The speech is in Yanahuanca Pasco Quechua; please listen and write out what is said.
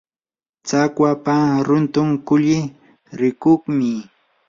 tsakwapa runtun kulli rikuqmi.